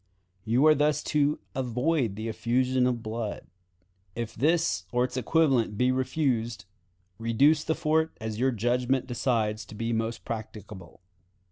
You are thus to avoid the effusion of blood. If this or its equivalent be refused, reduce the fort as your judgment decides to be most practicable.